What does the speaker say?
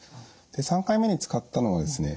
で３回目に使ったのがですね